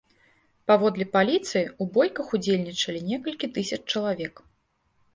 Паводле паліцыі, у бойках удзельнічалі некалькі тысяч чалавек.